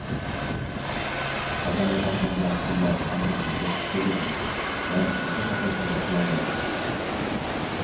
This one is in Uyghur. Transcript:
قاچانغا بارغاندا قۇللار ئاندىن غەزەپكە كېلىدۇ؟... مەن ھەقىقەتەن سەۋرى قىلالمايمەن.